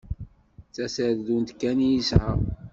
D taserdunt kan i yesεa.